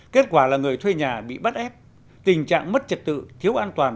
kết quả là người thuê nhà bị bắt ép tình trạng mất trật tự thiếu an toàn